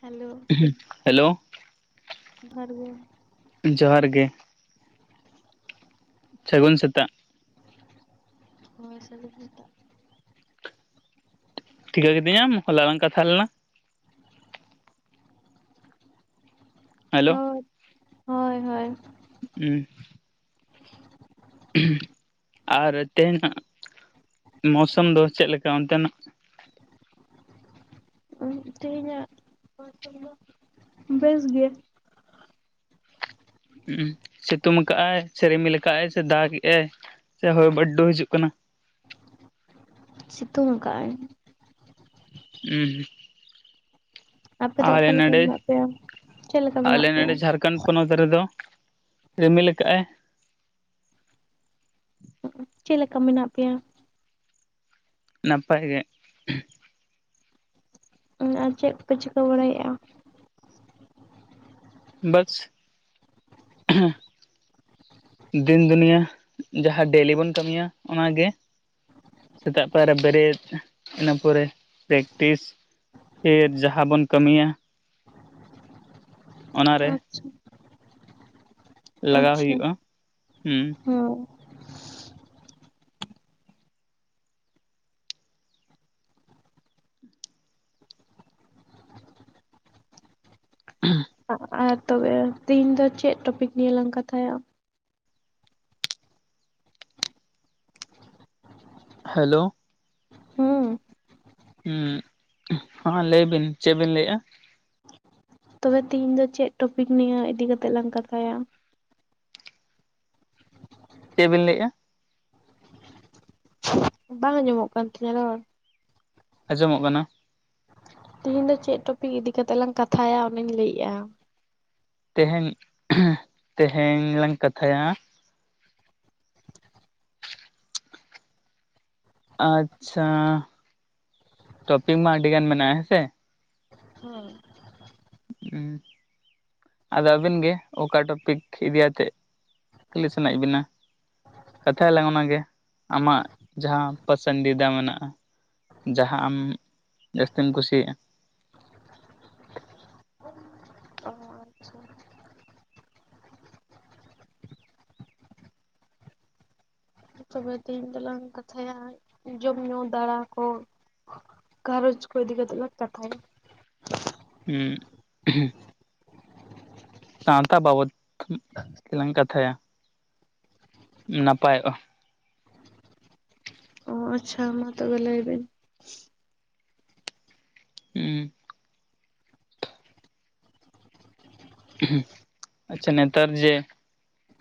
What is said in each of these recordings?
Hello hello ᱡᱚᱦᱟᱨ ᱜᱮ ᱡᱚᱦᱟᱨ ᱜᱮ ᱥᱟᱹᱜᱩᱱ ᱥᱮᱛᱟᱜ ᱦᱳᱭ‌ ᱥᱟᱜᱩᱱ ᱥᱮᱛᱟᱜ ᱴᱷᱤᱠᱟᱹ ᱠᱤᱫᱤ ᱧᱟᱢ ᱦᱚᱞᱟ ᱞᱟᱝ ᱠᱟᱛᱷᱟ ᱞᱮᱱᱟ ᱦᱮᱞᱳ ᱦᱳᱭ ᱦᱳᱭ ᱦᱳᱭ ᱦᱩᱸ ᱟᱨ ᱛᱮᱦᱮᱱᱟᱜ ᱢᱳᱣᱥᱟᱢ ᱫᱚ ᱪᱮᱫ ᱞᱮᱠᱟ ᱚᱱᱛᱮ ᱱᱟᱜ? ᱛᱮᱦᱮ ᱧᱟᱜ ᱢᱳᱣᱥᱚᱢ ᱫᱚ ᱵᱮᱥ ᱜᱮ᱾ ᱥᱤᱛᱩᱝ ᱟᱠᱟᱫᱼᱟᱭ ᱥᱮ ᱨᱤᱢᱤᱞ ᱟᱠᱟᱫᱼᱟᱭ ᱥᱮ ᱫᱟᱜᱮᱜᱼᱟᱭ? ᱥᱮ ᱦᱳᱭ ᱵᱟᱨᱰᱩ ᱦᱤᱡᱩᱜ ᱠᱟᱱᱟ ᱥᱤᱛᱩᱝ ᱟᱠᱟᱜᱼᱟᱭ ᱦᱩᱸ ᱟᱯᱮ ᱫᱚ ᱚᱠᱟ ᱟᱞᱮ ᱞᱮᱠᱟ ᱱᱚᱰᱮ, ᱢᱮᱱᱟᱜ ᱯᱮᱭᱟ? ᱪᱮᱫ ᱞᱮᱠᱟ ᱟᱞᱮ ᱢᱮᱱᱟᱜ ᱯᱮᱭᱟ ᱱᱚᱰᱮ ᱡᱷᱟᱲᱠᱷᱟᱱᱰ ᱯᱚᱱᱚᱛ ᱨᱮᱫᱚ ᱨᱤᱢᱤᱞ ᱟᱠᱟᱫᱼᱟᱭ᱾ ᱪᱮᱫ ᱞᱮᱠᱟ ᱢᱮᱱᱟᱜ ᱯᱮᱭᱟ? ᱱᱟᱯᱟᱭ ᱜᱮ᱾ ᱚ ᱟᱨ ᱪᱮᱫ ᱠᱚᱯᱮ ᱪᱤᱠᱟᱹ ᱵᱟᱲᱟ ᱭᱮᱫᱼᱟ? ᱵᱟᱥ [unintelligible] ᱫᱤᱱ ᱫᱩᱱᱤᱭᱟᱹ ᱡᱟᱦᱟᱸ ᱰᱮᱞᱤ ᱵᱚᱱ ᱠᱟᱹᱢᱤᱭᱟ ᱚᱱᱟᱜᱮ ᱥᱮᱛᱟᱜ ᱯᱟᱭᱟᱨ ᱨᱮ ᱵᱮᱨᱮᱫ ᱚᱱᱟᱹ ᱯᱚᱨᱮ ᱯᱨᱮᱠᱴᱤᱥ ᱯᱷᱤᱨ ᱡᱟᱦᱟᱸ ᱵᱚᱱ ᱠᱟᱹᱢᱤᱭᱟ ᱚᱱᱟ ᱨᱮ ᱟᱪᱪᱷᱟ ᱞᱟᱜᱟᱣ ᱦᱩᱭᱩᱜᱼᱟ᱾ ᱦᱩᱸ ᱦᱚᱸ [unintelligible] ᱟᱨ ᱛᱚᱵᱮ ᱛᱮᱦᱤᱧ ᱫᱚ ᱪᱮᱫ ᱴᱚᱯᱤᱠ ᱱᱤᱭᱮ ᱞᱟᱝ ᱠᱟᱛᱷᱟᱭᱟ? ᱦᱮᱞᱳ ᱦᱩᱸ ᱦᱩᱸ ᱞᱟᱹᱭ ᱵᱤᱱ ᱪᱮᱫ ᱵᱤᱱ ᱞᱟᱹᱭᱮᱜᱼᱟ? ᱛᱚᱵᱮ ᱛᱤᱦᱤᱧ ᱫᱚ ᱪᱮᱫ ᱴᱚᱯᱤᱠ ᱱᱤᱭᱟᱹ ᱤᱫᱤ ᱠᱟᱛᱮᱫ ᱞᱟᱝ ᱠᱟᱛᱷᱟᱭᱟ? ᱪᱮᱫ ᱵᱤᱱ ᱞᱟᱹᱭᱮᱜᱼᱟ? ᱵᱟᱝ ᱟᱸᱡᱚᱢᱚᱜ ᱠᱟᱱ ᱛᱤᱧᱟᱹ ᱨᱚᱲ? ᱟᱸᱡᱚᱢᱚᱜ ᱠᱟᱱᱟ ᱛᱤᱦᱤᱧ ᱫᱚ ᱪᱮᱫ ᱴᱚᱯᱤᱠ ᱤᱫᱤ ᱠᱟᱛᱮᱫ ᱞᱟᱝ ᱠᱟᱛᱷᱟᱭᱟ ᱚᱱᱟᱧ ᱞᱟᱹᱭᱮᱜᱼᱟ ᱛᱮᱦᱮᱧ, ᱛᱮᱦᱮᱧ ᱞᱟᱝ ᱠᱟᱛᱷᱟᱭᱟ ᱟᱪᱪᱷᱟ ᱴᱚᱯᱤᱠ ᱢᱟ ᱟᱹᱰᱤ ᱜᱟᱱ ᱢᱮᱱᱟᱜᱼᱟ ᱦᱮᱸ ᱥᱮ ᱦᱩᱸ [inaudible] ᱟᱫᱚ ᱟᱵᱤᱱ ᱜᱮ ᱚᱠᱟ ᱴᱚᱯᱤᱠ ᱤᱫᱤ ᱟᱛᱮᱫ ᱠᱩᱞᱤ ᱥᱟᱱᱟᱭᱮᱫ ᱵᱤᱱᱟ? ᱠᱟᱛᱷᱟᱞᱟᱝ ᱚᱱᱟᱜ ᱜᱮ ᱟᱢᱟᱜ ᱡᱟᱦᱟᱸ ᱯᱟᱥᱟᱱᱫᱤᱫᱟ ᱢᱮᱱᱟᱜᱼᱟ᱾ ᱡᱟᱦᱟᱸ ᱟᱢ ᱡᱟᱹᱥᱛᱤᱢ ᱠᱩᱥᱤᱭᱟᱜᱼᱟ᱾ ᱚ ᱟᱪᱪᱷᱟ ᱛᱚᱵᱮ ᱛᱮᱦᱮᱧ ᱫᱚᱞᱟᱝ ᱠᱟᱛᱷᱟᱭᱟ ᱡᱚᱢᱧᱩ ᱫᱟᱬᱟ ᱠᱚ, ᱜᱷᱟᱨᱚᱡᱽ ᱠᱚ ᱤᱫᱤ ᱠᱟᱛᱮᱫ ᱞᱟᱜ ᱠᱟᱛᱟᱭ᱾ ᱦᱮᱸ ᱥᱟᱶᱛᱟ ᱵᱟᱵᱚᱫ ᱛᱮᱞᱟᱝ ᱠᱟᱛᱷᱟᱭᱟ ᱱᱟᱯᱟᱭᱚᱜᱼᱟ᱾ ᱚ ᱟᱪᱪᱷᱟ ᱢᱟ ᱛᱚᱵᱮ ᱞᱟᱭᱵᱤᱱ ᱦᱩᱸ ᱟᱪᱪᱷᱟ ᱱᱮᱛᱟᱨ ᱡᱮ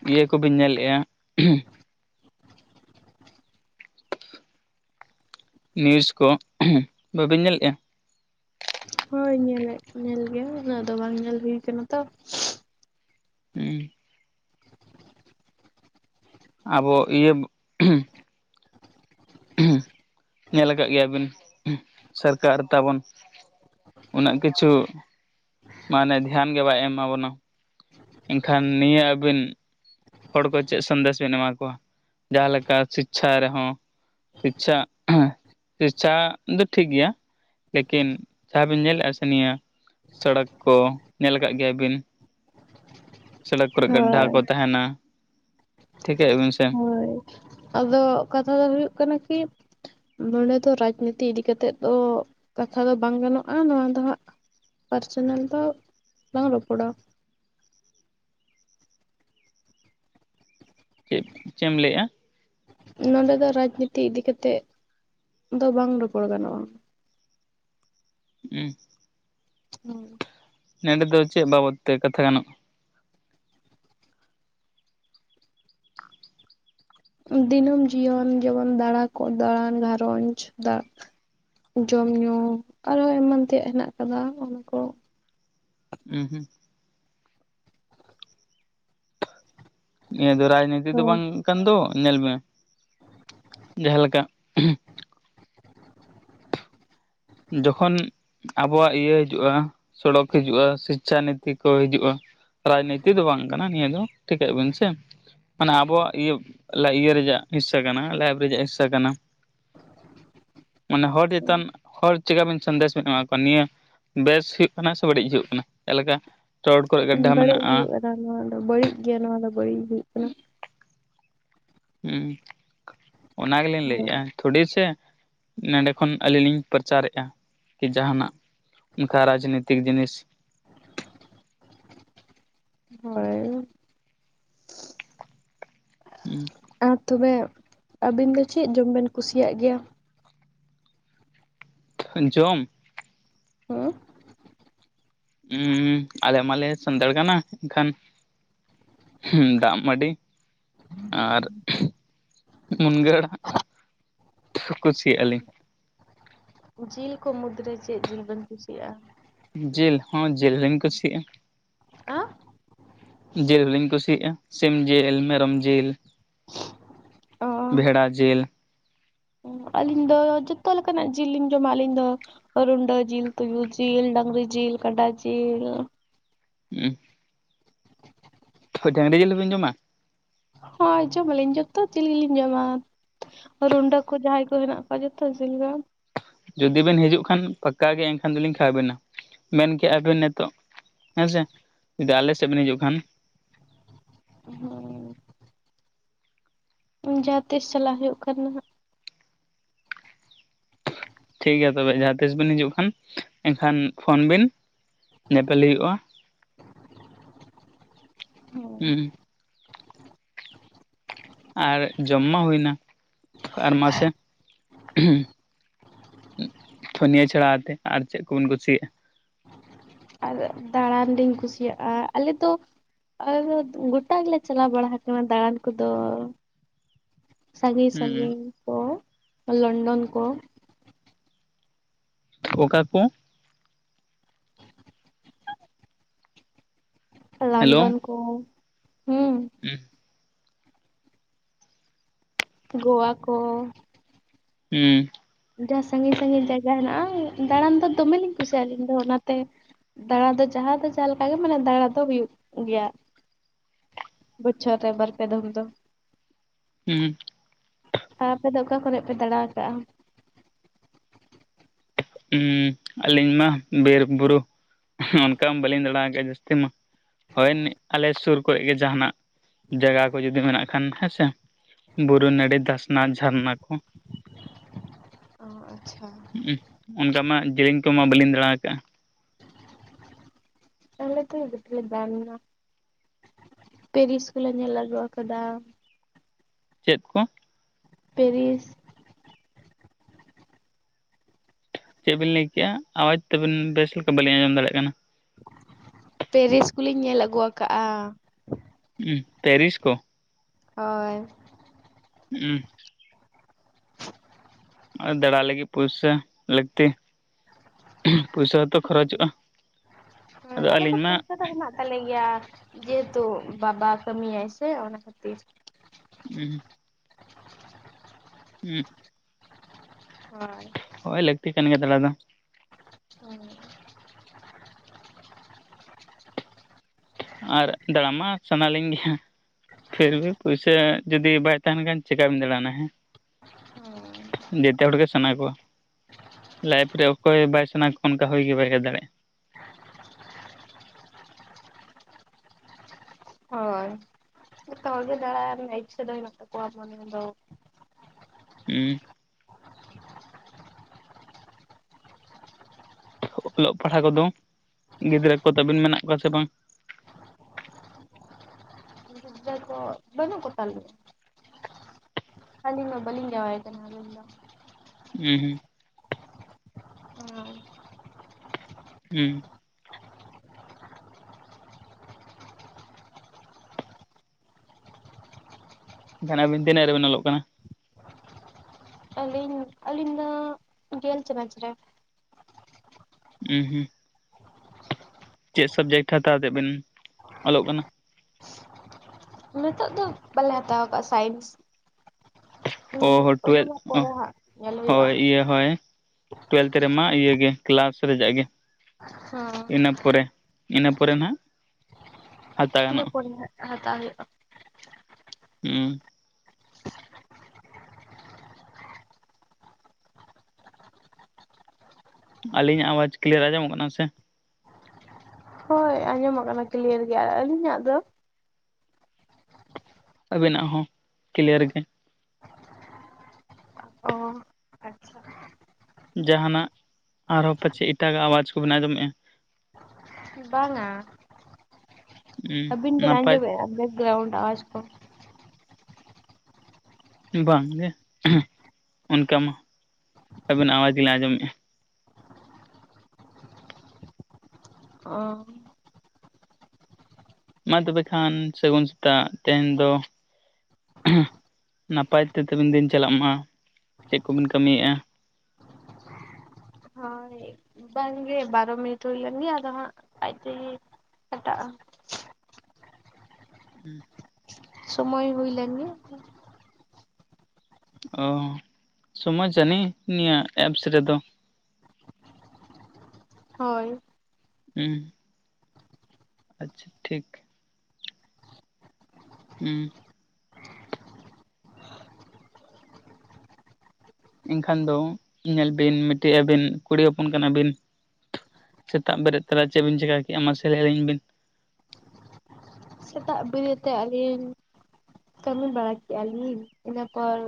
ᱤᱭᱟᱹ ᱠᱚᱵᱤᱱ ᱧᱮᱞᱮᱫᱼᱟ ᱱᱤᱭᱩᱡᱽ ᱠᱚ ᱵᱟᱹᱵᱤᱱ ᱧᱮᱞᱮᱫᱼᱟ? ᱦᱳᱭ ᱧᱮᱞᱮᱫ ᱧᱮᱞ ᱜᱮᱭᱟ ᱩᱱᱟᱹᱜ ᱫᱚ ᱵᱟᱝ ᱧᱮᱞ ᱦᱩᱭ ᱠᱟᱱᱟ ᱛᱚ ᱦᱩᱸ ᱟᱵᱚ ᱤᱭᱟᱹ ᱧᱮᱞ ᱟᱠᱟᱫ ᱜᱮᱭᱟᱵᱤᱱ ᱥᱚᱨᱠᱟᱨ ᱛᱟᱵᱚᱱ ᱩᱱᱟᱹᱜ ᱠᱤᱪᱷᱩ ᱢᱟᱱᱮ ᱫᱷᱮᱭᱟᱱ ᱜᱮ ᱵᱟᱭ ᱮᱢᱟᱵᱚᱱᱟ᱾ ᱮᱱᱠᱷᱟᱱ ᱱᱤᱭᱟᱹ ᱟᱹᱵᱤᱱ ᱦᱚᱲ ᱠᱚ ᱪᱮᱫ ᱥᱚᱱᱫᱮᱥ ᱵᱮᱱ ᱮᱢᱟ ᱠᱚᱣᱟ ᱡᱟᱦᱟᱸ ᱞᱮᱠᱟ ᱥᱤᱠᱪᱷᱟ ᱨᱮᱦᱚᱸ ᱥᱤᱪᱪᱷᱟ ᱥᱤᱪᱪᱷᱟ ᱫᱚ ᱴᱷᱤᱠ ᱜᱮᱭᱟ᱾ ᱞᱮᱠᱤᱱ ᱡᱟᱦᱟᱸ ᱵᱤᱱ ᱧᱮᱞᱮᱫᱼᱟ ᱥᱮ ᱱᱤᱭᱟᱹ ᱥᱚᱲᱚᱠ ᱠᱚ ᱧᱮᱞ ᱟᱠᱟᱫ ᱜᱮᱭᱟ ᱵᱤᱱ ᱥᱚᱲᱚᱠ ᱠᱚᱨᱮ ᱜᱟᱰᱰᱷᱟ ᱦᱳᱭ ᱠᱚ ᱛᱟᱦᱮᱱᱟ ᱴᱷᱤᱠᱟᱹᱭ ᱵᱤᱱ ᱥᱮ? ᱦᱳᱭ ᱟᱫᱚ ᱠᱟᱛᱷᱟ ᱫᱚ ᱦᱩᱭᱩᱜ ᱠᱟᱱᱟ ᱠᱤ ᱱᱚᱰᱮ ᱫᱚ ᱨᱟᱡᱽᱱᱤᱛᱤ ᱤᱫᱤ ᱠᱟᱛᱮᱫ ᱫᱚ ᱠᱟᱛᱷᱟ ᱫᱚ ᱵᱟᱝ ᱜᱟᱱᱚᱜᱼᱟ, ᱱᱚᱣᱟ ᱫᱚ ᱦᱟᱸᱜ ᱯᱟᱨᱥᱱᱟᱞ ᱫᱚ ᱞᱟᱝ ᱨᱚᱯᱚᱲᱟ᱾ ᱪᱮᱫ ᱪᱮᱫ ᱮᱢ ᱞᱟᱹᱭᱮᱜᱼᱟ? ᱱᱚᱰᱮ ᱫᱚ ᱨᱟᱡᱽᱱᱤᱛᱤ ᱤᱫᱤ ᱠᱟᱛᱮ ᱫᱚ ᱵᱟᱝ ᱨᱚᱯᱚᱲ ᱜᱟᱱᱚᱜᱼᱟ᱾ ᱦᱩᱸ ᱦᱩᱸ ᱱᱮᱸᱰᱮ ᱫᱚ ᱪᱮᱫ ᱵᱟᱵᱚᱫ ᱛᱮ ᱠᱟᱛᱷᱟ ᱜᱟᱱᱚᱜᱼᱟ? ᱫᱤᱱᱟᱹᱢ ᱡᱤᱭᱚᱱ ᱡᱮᱢᱚᱱ ᱫᱟᱬᱟ ᱠᱚ ᱫᱟᱬᱟᱱ ᱜᱷᱟᱨᱚᱸᱡᱽ ᱫᱟᱜ ᱡᱚᱢ ᱧᱩ ᱟᱨᱦᱚᱸ ᱮᱢᱟᱱ ᱛᱮᱭᱟᱜ ᱦᱮᱱᱟᱜ ᱟᱠᱟᱫᱟ ᱚᱱᱟ ᱠᱚ᱾ ᱦᱩᱸ ᱦᱩᱸ ᱱᱤᱭᱟᱹ ᱫᱚ ᱨᱟᱡᱽᱱᱤᱛᱤ ᱫᱚ ᱦᱳᱭ ᱵᱟᱝ ᱠᱟᱱ ᱫᱚ᱾ ᱧᱮᱞ ᱢᱮ ᱡᱟᱦᱟᱸ ᱞᱮᱠᱟ ᱡᱚᱠᱷᱚᱱ ᱟᱵᱚᱣᱟᱜ ᱤᱭᱟᱹ ᱦᱤᱡᱩᱜᱼᱟ ᱥᱚᱲᱚᱠ ᱦᱤᱡᱩᱜᱼᱟ, ᱥᱤᱪᱪᱷᱟ ᱱᱤᱛᱤ ᱠᱚ ᱦᱤᱡᱩᱜᱼᱟ᱾ ᱨᱟᱡᱽᱱᱤᱛᱤᱭ ᱫᱚ ᱵᱟᱝ ᱠᱟᱱᱟ ᱱᱤᱭᱟᱹ ᱫᱚ ᱴᱷᱤᱠᱟᱹᱜ ᱟᱵᱤᱱ ᱥᱮ᱾ ᱢᱟᱱᱮ ᱟᱵᱚᱣᱟᱜ ᱤᱭᱟᱹ ᱤᱭᱟᱹ ᱨᱮᱭᱟᱜ ᱦᱤᱥᱥᱟᱹ ᱠᱟᱱᱟ, ᱞᱟᱭᱤᱯᱷ ᱨᱮᱭᱟᱜ ᱦᱤᱥᱟᱹ ᱠᱟᱱᱟ᱾ ᱢᱟᱱᱮ ᱦᱚᱲ ᱪᱮᱛᱟᱱ ᱦᱚᱲ ᱪᱤᱠᱟ ᱵᱤᱱ ᱥᱚᱱᱫᱮᱥ ᱵᱤᱱ ᱮᱢᱟ ᱠᱚᱣᱟ ᱱᱤᱭᱟᱹ ᱵᱮᱥ ᱦᱩᱭᱩᱜ ᱠᱟᱱᱟ ᱥᱮ ᱵᱟᱹᱲᱤᱡ ᱦᱩᱭᱩᱜ ᱠᱟᱱᱟ ᱪᱮᱫ ᱞᱮᱠᱟ? ᱨᱳᱰ ᱠᱚᱨᱮ ᱜᱟᱰᱰᱷᱟ ᱵᱟᱹᱲᱤᱡ ᱢᱮᱱᱟᱜᱼᱟ ᱦᱩᱭᱩᱜ ᱠᱟᱱᱟ, ᱱᱚᱣᱟ ᱫᱚ ᱵᱟᱹᱲᱤᱡ ᱜᱮᱭᱟ᱾ ᱱᱚᱣᱟ ᱫᱚ ᱵᱟᱹᱲᱤᱡ ᱦᱩᱭᱩᱜ ᱠᱟᱱᱟ᱾ ᱦᱩ ᱚᱱᱟ ᱜᱮᱞᱤᱧ ᱦᱳᱭ ᱞᱟᱹᱭᱮᱜᱼᱟ᱾ ᱛᱷᱚᱲᱤ ᱥᱮ ᱱᱚᱰᱮ ᱠᱷᱚᱱ ᱟᱹᱞᱤᱧ ᱞᱤᱧ ᱯᱨᱚᱪᱟᱨᱮᱫᱼᱟ ᱠᱤ ᱡᱟᱦᱟᱱᱟᱜ? ᱚᱱᱠᱟ ᱨᱟᱡᱽᱱᱳᱛᱤᱠ ᱡᱤᱱᱤᱥ ᱦᱳᱭ [unintelligible] ᱟᱨ ᱛᱚᱵᱮ ᱟᱵᱤᱱ ᱫᱚ ᱪᱮᱫ ᱡᱚᱢ ᱵᱤᱱ ᱠᱩᱥᱤᱭᱟᱜ ᱜᱮᱭᱟ? ᱡᱚᱢ [unintelligible] [unintelligible] ᱟᱞᱮ ᱢᱟᱞᱮ ᱥᱟᱱᱛᱟᱲ ᱠᱟᱱᱟ᱾ ᱮᱱᱠᱷᱟᱱ ᱦᱩ ᱫᱟᱜᱢᱟᱹᱰᱤ ᱟᱨ ᱢᱩᱱᱜᱟᱹ ᱟᱲᱟᱜ [unintelligible] ᱡᱤᱞ ᱠᱚ ᱢᱩᱫᱽᱨᱮ ᱪᱮᱫ ᱡᱤᱞ ᱵᱤᱱ ᱠᱩᱥᱤᱭᱟᱜᱼᱟ? ᱡᱤᱞ ᱦᱚᱸ ᱡᱤᱞ ᱞᱤᱧ ᱠᱩᱥᱤᱭᱟᱜᱼᱟ᱾ ᱟᱸᱼ ᱡᱤᱞ ᱦᱚ ᱞᱤᱧ ᱠᱩᱥᱤᱭᱟᱜᱼᱟ, ᱥᱤᱢ ᱡᱤᱞ, ᱢᱮᱨᱚᱢ ᱡᱤᱞ ᱾ ᱵᱷᱮᱲᱟ ᱡᱤᱞ ᱾ ᱚ ᱟᱹᱞᱤᱧ ᱫᱚ ᱡᱚᱛᱚ ᱞᱮᱠᱟᱱᱟᱜ ᱡᱤᱞ ᱞᱤᱧ ᱡᱚᱢᱟ ᱟᱹᱞᱤᱧ ᱫᱚ ᱾ ᱨᱩᱸᱰᱟᱹ ᱡᱤᱞ, ᱛᱩᱭᱩ ᱡᱤᱞ, ᱰᱟᱝᱨᱤ ᱡᱤᱞ, ᱠᱟᱰᱟ ᱡᱤᱞ‌ ᱾ ᱦᱩᱸ [unintelligible] ᱰᱟᱝᱨᱤ ᱡᱤᱞ ᱦᱚᱸᱵᱤᱱ ᱡᱚᱢᱟ? ᱦᱳᱭ ᱡᱚᱢᱟᱞᱤᱧ ᱡᱚᱛᱚ ᱡᱤᱞ ᱜᱮᱞᱤᱧ ᱡᱚᱢᱟ ᱾ ᱨᱩᱸᱰᱟᱹ ᱠᱚ ᱡᱟᱦᱟᱸᱭ ᱠᱚ ᱦᱮᱱᱟᱜ ᱠᱚᱣᱟ ᱡᱚᱛᱚ ᱡᱤᱞ ᱜᱮ ᱾ ᱡᱩᱫᱤ ᱵᱮᱱ ᱦᱤᱡᱩᱜ ᱠᱷᱟᱱ ᱯᱟᱠᱠᱟ ᱜᱮ ᱮᱱᱠᱷᱟᱱ ᱫᱚᱞᱤᱧ ᱠᱷᱟᱣᱟᱣ ᱵᱤᱱᱟ ᱢᱮᱱ ᱠᱮᱜᱼᱟᱵᱤᱱ ᱱᱤᱛᱚᱜ᱾ ᱦᱮᱸᱥᱮ ᱡᱩᱫᱤ ᱟᱞᱮ ᱥᱮᱫ ᱵᱮᱱ ᱦᱤᱡᱩᱜ ᱠᱷᱟᱱ᱾ ᱦᱳᱭ ᱡᱟᱦᱟᱸᱛᱤᱥ ᱪᱟᱞᱟᱜ ᱦᱩᱭᱩᱜ ᱠᱷᱟᱱ ᱫᱚ ᱦᱟᱸᱜ᱾ ᱴᱷᱤᱠ ᱜᱮᱭᱟ ᱛᱚᱵᱮ ᱡᱟᱦᱟᱸ ᱛᱤᱥ ᱵᱤᱱ ᱦᱤᱡᱩᱜ ᱠᱷᱟᱱ ᱮᱱᱠᱷᱟᱱ ᱯᱷᱳᱱ ᱵᱤᱱ ᱧᱮᱯᱮᱞ ᱦᱩᱭᱩᱜᱼᱟ᱾ ᱦᱳᱭ ᱦᱩᱸ ᱟᱨ ᱡᱚᱢ ᱢᱟ ᱦᱩᱭᱱᱟ ᱟᱨ ᱢᱟᱥᱮ ᱱᱤᱭᱟᱹ ᱪᱷᱟᱲᱟ ᱟᱨ ᱪᱮᱫ ᱠᱚ ᱵᱤᱱ ᱠᱩᱥᱤᱭᱟᱜᱼᱟ? ᱟᱨ ᱫᱟᱬᱟᱱ ᱞᱤᱧ ᱠᱩᱥᱤᱭᱟᱜᱼᱟ᱾ ᱟᱞᱮ ᱫᱚ ᱟᱨ ᱜᱚᱴᱟ ᱜᱮᱞᱮ ᱪᱟᱞᱟᱣ ᱵᱟᱲᱟ ᱠᱟᱱᱟ ᱫᱟᱬᱟᱱ ᱠᱚᱫᱚ᱾ ᱥᱟᱺᱜᱤᱧ ᱦᱩᱸ ᱥᱟᱺᱜᱤᱧ ᱠᱚ ᱞᱚᱱᱰᱚᱱ ᱠᱚ ᱚᱠᱟ ᱠᱚ? ᱦᱮᱞᱳ ᱞᱚᱱᱰᱚᱱ ᱠᱚ ᱦᱩᱸ ᱾ [unintelligible] ᱜᱳᱣᱟ ᱠᱚ ᱦᱩᱸ ᱡᱟᱦᱟᱸ ᱥᱟᱺᱜᱤᱧ ᱥᱟᱺᱜᱤᱧ ᱡᱟᱭᱜᱟ ᱦᱮᱱᱟᱜᱼᱟ, ᱫᱟᱬᱟᱱ ᱫᱚ ᱫᱚᱢᱮᱞᱤᱧ ᱠᱩᱥᱤᱭᱟᱜᱼᱟ᱾ ᱟᱹᱞᱤᱧ ᱫᱚ ᱚᱱᱟᱛᱮ ᱫᱟᱬᱟ ᱫᱚ ᱡᱟᱦᱟᱸ ᱫᱚ ᱡᱟᱦᱟᱸ ᱞᱮᱠᱟ ᱜᱮ ᱢᱟᱱᱮ ᱫᱟᱬᱟ ᱫᱚ ᱦᱩᱭᱩᱜ ᱜᱮᱭᱟ᱾ ᱵᱚᱪᱷᱚᱨ ᱨᱮ ᱵᱟᱨ ᱯᱮ ᱫᱷᱚᱢ ᱫᱚ᱾ ᱦᱩᱸ ᱟᱨ ᱟᱯᱮ ᱫᱚ ᱚᱠᱟ ᱠᱚᱨᱮ ᱯᱮ ᱫᱟᱲᱬᱟ ᱟᱠᱟᱜᱼᱟ? ᱩᱸᱻ ᱟᱹᱞᱤᱧ ᱢᱟ ᱵᱤᱨ ᱵᱩᱨᱩ ᱚᱱᱠᱟ ᱵᱟᱹᱞᱤᱧ ᱫᱟᱬᱟ ᱠᱟᱜᱼᱟ ᱡᱟᱹᱥᱛᱤ ᱢᱟ ᱾ ᱦᱳᱭ ᱟᱞᱮ ᱥᱩᱨ ᱠᱚᱨᱮ ᱜᱮ ᱡᱟᱦᱟᱱᱟᱜ ᱡᱟᱭᱜᱟ ᱠᱚ ᱡᱩᱫᱤ ᱢᱮᱱᱟᱜ ᱠᱷᱟᱱ ᱦᱮᱸᱥᱮ ᱵᱩᱨᱩ ᱱᱟᱹᱲᱤ ᱫᱷᱟᱥᱱᱟ ᱡᱷᱟᱨᱱᱟ ᱠᱚ᱾ ᱚ ᱟᱪᱪᱷᱟ ᱚᱱᱠᱟ ᱢᱟ ᱡᱮᱧᱮᱧ ᱠᱚᱢᱟ ᱵᱟᱹᱞᱤᱧ ᱫᱟᱬᱟᱣ ᱠᱟᱜᱼᱟ᱾ ᱟᱞᱮ ᱫᱚ [unintelligible] ᱯᱮᱨᱤᱥ ᱠᱚᱞᱮ ᱧᱮᱞ ᱟᱹᱜᱩ ᱟᱠᱟᱫᱟ᱾ ᱪᱮᱫ ᱠᱚ? ᱯᱮᱨᱤᱥ ᱪᱮᱜ ᱵᱤᱱ ᱞᱟᱹᱭ ᱠᱮᱜᱼᱟ ᱟᱣᱟᱡᱽ ᱛᱟᱵᱮᱱ ᱵᱮᱥ ᱞᱮᱠᱟ ᱵᱟᱹᱞᱤᱧ ᱟᱸᱡᱚᱢ ᱫᱟᱲᱮᱜ ᱠᱟᱱᱟ᱾ ᱯᱮᱨᱤᱥ ᱠᱚᱞᱤᱧ ᱧᱮᱞ ᱟᱹᱜᱩᱣᱟᱠᱟᱜᱼᱟ᱾ ᱯᱮᱨᱤᱥ ᱠᱚ ᱦᱚᱭ ᱦᱩᱸᱜᱼᱩᱸ ᱟᱨ ᱫᱟᱬᱟ ᱞᱟᱹᱜᱤᱜ ᱯᱩᱭᱥᱟ ᱞᱟᱹᱠᱛᱤ ᱯᱩᱭᱥᱟᱛᱚ ᱠᱷᱚᱨᱚᱪᱚᱜᱼᱟ ᱦᱳᱭ ᱟᱫᱚ ᱟᱞᱮ ᱫᱚ ᱟᱹᱞᱤᱧ ᱢᱟ ᱯᱚᱭᱥᱟ ᱫᱚ ᱦᱮᱱᱟᱜ ᱛᱟᱞᱮ ᱜᱮᱭᱟ ᱡᱮᱦᱮᱛᱩ ᱵᱟᱵᱟ ᱠᱟᱹᱢᱤᱭᱟᱭ ᱥᱮ ᱚᱱᱟ ᱠᱷᱟᱹᱛᱤᱨ᱾ ᱩᱸ ᱦᱩᱸ ᱦᱚᱭ ᱦᱚᱭ ᱞᱟᱹᱠᱛᱤ ᱠᱟᱱ ᱜᱮᱭᱟ ᱫᱟᱬᱟ ᱫᱚ᱾ [unintelligible] ᱟᱨ ᱫᱟᱬᱟ ᱢᱟ ᱥᱟᱱᱟᱞᱤᱧ ᱜᱮᱭᱟ᱾ ᱯᱷᱤᱨ ᱵᱷᱤ ᱯᱩᱭᱥᱟ ᱡᱩᱫᱤ ᱵᱟᱭ ᱛᱟᱦᱮᱱ ᱠᱷᱟᱱ ᱪᱮᱠᱟᱵᱤᱱ ᱫᱟᱬᱟᱱᱟ ᱦᱮᱸ᱾ ᱡᱮᱛᱮ ᱦᱚᱲ ᱜᱮ ᱥᱟᱱᱟ ᱠᱚᱣᱟ᱾ ᱞᱟᱭᱤᱯ ᱨᱮ ᱚᱠᱚᱭ ᱵᱟᱭ ᱥᱟᱱᱟ ᱠᱚᱣᱟ ᱚᱱᱠᱟ ᱦᱳᱭ ᱜᱮ ᱵᱟᱭ ᱦᱳᱭ ᱫᱟᱲᱮᱭᱟᱜᱼᱟ᱾ ᱦᱚᱭ ᱡᱷᱚᱛᱚ ᱦᱚᱲ ᱜᱮ ᱫᱟᱬᱟ ᱨᱮᱱᱟᱜ ᱤᱪᱷᱟᱹ ᱫᱚ ᱦᱮᱱᱟᱜ ᱛᱟᱠᱚᱣᱟ ᱢᱚᱱᱮ ᱨᱮᱫᱚ᱾ ᱩᱸ ᱚᱞᱚᱜ ᱯᱟᱲᱦᱟᱜ ᱠᱚᱫᱚ ᱜᱤᱫᱽᱨᱟᱹ ᱠᱚ ᱛᱟᱹᱵᱤᱱ ᱢᱮᱱᱟᱜ ᱠᱚᱣᱟ ᱥᱮ ᱵᱟᱝ? ᱜᱤᱫᱽᱨᱟᱹ ᱠᱚ ᱵᱟᱹᱱᱩᱜ ᱠᱚ ᱛᱟᱞᱤᱧᱟ᱾ ᱟᱞᱤᱧ ᱢᱟ ᱵᱟᱹᱞᱤᱧ ᱡᱟᱶᱟᱭ ᱠᱟᱱᱟ ᱟᱞᱤᱧ ᱫᱚ᱾ ᱦᱩᱸ ᱦᱩᱸ ᱚᱸ ᱦᱩᱸ ᱡᱟᱦᱱᱟᱜ ᱢᱤᱛᱤᱫᱤᱱᱜ ᱨᱮᱵᱤᱱ ᱚᱞᱚᱜ ᱠᱟᱱᱟ? [inaudible] ᱟᱹᱞᱤᱧ ᱟᱞᱤ ᱫᱚ ᱜᱮᱞ ᱪᱟᱱᱟᱪ ᱨᱮ᱾ ᱩᱸ ᱦᱩᱸ ᱪᱮᱜ ᱥᱟᱵᱡᱮᱠᱴ ᱦᱟᱛᱟᱣ ᱛᱮᱜ ᱵᱮᱱ ᱚᱞᱚᱜ ᱠᱟᱱᱟ? ᱱᱤᱛᱚᱜ ᱫᱚ ᱵᱟᱞᱮ ᱦᱟᱛᱟᱣ ᱠᱟᱜᱼᱟ ᱥᱟᱭᱤᱱᱥ᱾ ᱚ ᱚᱸ ᱦᱚ ᱚᱱᱟ ᱢᱟ ᱴᱩᱭᱮᱞᱵᱷ ᱚ ᱯᱚᱨᱮ ᱦᱟᱸᱜ ᱧᱮᱞ ᱦᱩᱭᱩᱜᱼᱟ᱾ ᱦᱳᱭ ᱤᱭᱟᱹ ᱦᱳᱭ ᱴᱩᱭᱮᱞᱛᱷ ᱨᱮᱢᱟ ᱤᱭᱟᱹ ᱜᱮ ᱠᱮᱞᱟᱥ ᱨᱮᱭᱟᱜ ᱜᱮ᱾ ᱦᱚᱸ ᱤᱱᱟᱹ ᱯᱚᱨᱮ ᱤᱱᱟᱹ ᱯᱚᱨᱮ ᱱᱟᱜ ᱤᱱᱟᱹ ᱯᱚᱨᱮ ᱦᱟᱸᱜ ᱦᱟᱛᱟᱣ ᱦᱩᱭᱩᱜᱼᱟ᱾ ᱦᱩᱸ ᱟᱹᱞᱤᱧᱟᱜ ᱟᱣᱟᱡᱽ ᱠᱞᱤᱭᱟᱨ ᱟᱸᱡᱚᱢᱚᱜ ᱠᱟᱱᱟ ᱥᱮ? ᱦᱳᱭ ᱟᱸᱡᱚᱢᱚᱸᱜ ᱠᱟᱱᱟ ᱠᱤᱞᱭᱟᱹᱨ ᱜᱮ ᱟᱨ ᱟᱞᱤᱧᱟᱜ ᱫᱚ ᱟᱵᱤᱱᱟᱜ ᱦᱚᱸ ᱠᱤᱞᱭᱟᱹᱨ ᱜᱮ ᱚ ᱟᱪᱪᱷᱟ ᱡᱟᱦᱟᱱᱟᱜ ᱟᱨᱦᱚᱸ ᱯᱟᱪᱮᱫ ᱮᱴᱟᱜ ᱟᱜ ᱟᱣᱟᱡᱽ ᱠᱚ ᱵᱤᱱ ᱟᱡᱚᱢ ᱮᱜ-ᱟ ᱵᱟᱝ-ᱟ ᱦᱩᱸ ᱟᱵᱤᱱ ᱵᱤᱱ ᱱᱟᱯᱟᱭ ᱟᱡᱚᱢ ᱮᱫᱟ ᱵᱮᱜᱨᱟᱣᱩᱱᱴ ᱟᱣᱟᱡ ᱠᱚ ᱵᱟᱝ ᱜᱮ ᱚᱱᱠᱟ ᱢᱟ ᱟᱵᱤᱱᱟᱜ ᱟᱣᱟᱡᱽ [unintelligible] ᱟᱸᱡᱚᱢ ᱮᱜ-ᱟ ᱚ ᱢᱟ ᱛᱚᱵᱮ ᱠᱷᱟᱱ ᱥᱟᱹᱜᱩᱱ ᱥᱮᱛᱟᱜ ᱛᱮᱦᱮᱧ ᱫᱚ ᱱᱟᱯᱟᱭ ᱛᱮ ᱛᱮᱵᱤᱱ ᱫᱤᱱ ᱪᱟᱞᱟᱜ ᱢᱟ ᱪᱮᱫ ᱠᱚᱵᱤᱱ ᱠᱟᱹᱢᱤ ᱮᱜ-ᱟ ᱦᱚᱭ ᱵᱟᱝᱜᱮ ᱵᱟᱨᱚ ᱢᱤᱱᱤᱴ ᱦᱩᱭ ᱞᱮᱱ ᱜᱮ ᱟᱫᱚ ᱦᱟᱸᱜ ᱟᱡ ᱛᱮᱜᱮ ᱠᱟᱴᱟᱜ-ᱟ ᱦᱩᱸ ᱥᱚᱢᱚᱭ ᱦᱳᱭ ᱞᱮᱱ ᱜᱮ ᱚ ᱥᱚᱢᱟᱡᱽ ᱡᱟᱹᱱᱤ ᱱᱤᱭᱟᱹ ᱮᱯᱥ ᱨᱮᱫᱚ ᱦᱚᱭ ᱩᱸ ᱟᱪᱷᱟ ᱴᱷᱤᱠ [unintelligible] ᱮᱱᱠᱷᱟᱱ ᱫᱚ ᱧᱮᱞ ᱵᱤᱱ ᱢᱤᱫ ᱴᱤᱡ ᱟᱹᱵᱤᱱ ᱠᱩᱲᱤ ᱦᱚᱯᱚᱱ ᱠᱟᱱᱟ ᱵᱤᱱ᱾ ᱥᱮᱛᱟᱜ ᱵᱮᱨᱮᱫ ᱛᱚᱨᱟ ᱪᱮᱫ ᱵᱤᱱ ᱪᱮᱠᱟ ᱠᱮᱫᱼᱟ ᱢᱟ ᱥᱮ ᱞᱟᱹᱭ ᱟᱹᱞᱤᱧ ᱵᱤᱱ? ᱥᱮᱛᱟᱜ ᱵᱮᱨᱮᱫ ᱛᱮ ᱟᱹᱞᱤᱧ ᱠᱟᱹᱢᱤ ᱵᱟᱲᱟ ᱠᱮᱜ-ᱟ ᱞᱤᱧ ᱤᱱᱟᱹ ᱯᱚᱨ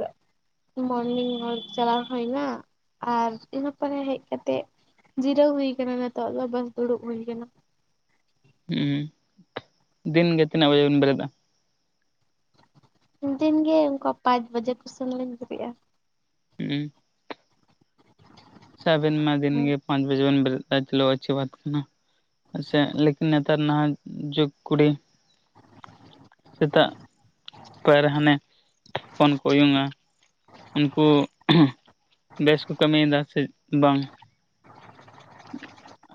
ᱢᱚᱨᱱᱤᱱᱜ ᱣᱟᱠ ᱪᱟᱞᱟᱣ ᱦᱳᱭ ᱱᱟ ᱟᱨ ᱤᱱᱟᱹ ᱯᱚᱨᱮ ᱦᱮᱡ ᱠᱟᱛᱮ ᱡᱤᱨᱟᱹᱣ ᱦᱩᱭ ᱟᱠᱟᱱᱟ ᱱᱤᱛᱚᱜ ᱫᱚ ᱵᱟᱥ ᱫᱩᱲᱩᱵ ᱦᱩᱭ ᱠᱟᱱᱟ᱾ ᱫᱤᱱ ᱜᱮ ᱛᱤᱱᱟᱹᱜ ᱵᱟᱡᱮ ᱵᱮᱱ ᱵᱮᱨᱮᱫ-ᱟ? ᱫᱤᱱ ᱜᱮ ᱚᱱᱠᱟ ᱯᱟᱸᱪ ᱵᱟᱡᱮ ᱠᱚᱥᱚᱢᱚᱭ ᱞᱤᱧ ᱵᱤᱨᱤᱫᱼᱟ [unintelligible] [unintelligible] ᱟᱵᱤᱱ ᱢᱟ ᱫᱤᱱ ᱜᱮ ᱯᱟᱸᱪ ᱵᱟᱡᱮ ᱵᱤᱱ ᱵᱤᱨᱤᱫ-ᱟ ᱪᱚᱞᱳ ᱟᱹᱪᱷᱤ ᱵᱟᱛ ᱠᱟᱱᱟ᱾ ᱟᱪᱷᱟ ᱞᱮᱠᱤᱱ ᱱᱮᱛᱟᱨ ᱱᱟᱦᱟᱜ ᱡᱩᱜᱽ ᱠᱩᱲᱤ ᱥᱮᱛᱟᱜ ᱯᱟᱭᱟᱨ ᱨᱮ ᱦᱟᱱᱮ ᱯᱷᱚᱱ ᱠᱚ ᱩᱭᱩᱝᱼᱟ᱾ ᱩᱱᱠᱩ ᱵᱮᱥ ᱠᱚ ᱠᱟᱹᱢᱤ ᱮᱫᱟ ᱥᱮ ᱵᱟᱝ? [unintelligible] [inaudible]